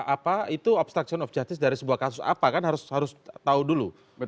apa itu obstruction of justice dari sebuah kasus apa kan harus tahu dulu